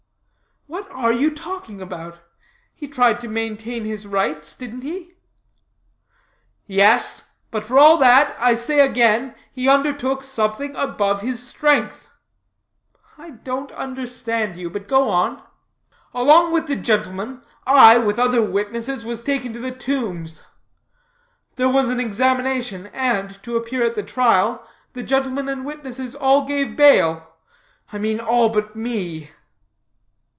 "What are you talking about? He tried to maintain his rights, didn't he?" "Yes; but, for all that, I say again, he undertook something above his strength." "I don't understand you. But go on." "Along with the gentleman, I, with other witnesses, was taken to the Tombs. There was an examination, and, to appear at the trial, the gentleman and witnesses all gave bail I mean all but me."